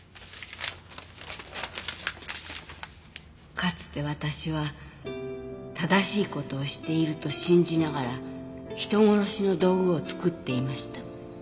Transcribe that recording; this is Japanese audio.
「かつて私は正しいことをしていると信じながら人殺しの道具を作っていました」